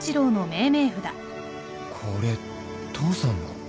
これ父さんの